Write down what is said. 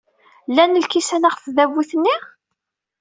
Llan lkisan ɣef tdabut-nni?